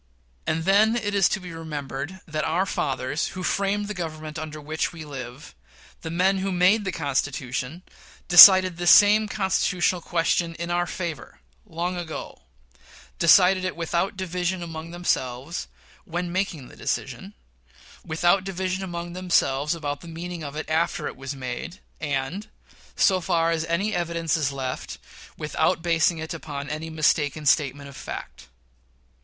And then it is to be remembered that "our fathers; who framed the Government under which we live", the men who made the Constitution decided this same constitutional question in our favor, long ago; decided it without division among themselves, when making the decision, without division among themselves about the meaning of it after it was made, and, so far as any evidence is left, without basing it upon any mistaken statement of facts.